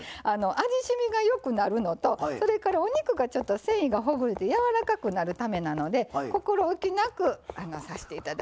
味しみがよくなるのとそれからお肉が繊維がほぐれてやわらかくなるためなので心おきなく刺していただいて。